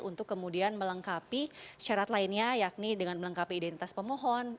untuk kemudian melengkapi syarat lainnya yakni dengan melengkapi identitas pemohon